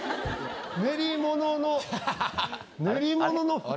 練り物の練り物の蓋？